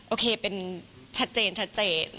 โอเคเป็นทัดเจน